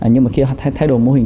nhưng mà khi họ thay đổi mô hình